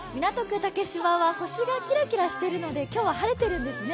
竹芝は星がきらきらしているので今日は晴れているんですね。